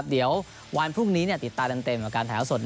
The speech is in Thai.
เดี๋ยววันพรุ่งนี้ติดตามเต็มกับการแถวสด